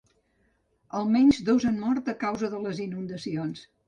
Almenys dos han mort a causa de les inundacions.